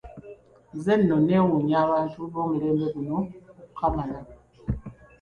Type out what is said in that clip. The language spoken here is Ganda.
Nze nno neewuunya abantu b'omulembe guno okukamala.